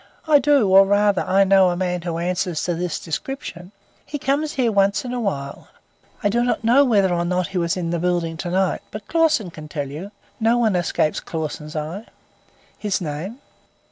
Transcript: "I do; or rather, I know a man who answers to this description. He comes here once in a while. I do not know whether or not he was in the building to night, but Clausen can tell you; no one escapes Clausen's eye." "His name."